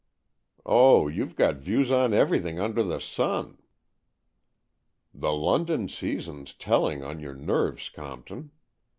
" Oh, you've got views on everything under the sun." " The London season's telling on your nerves, Compton.